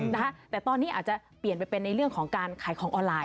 นะคะแต่ตอนนี้อาจจะเปลี่ยนไปเป็นในเรื่องของการขายของออนไลน